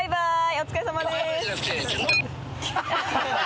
お疲れさまです。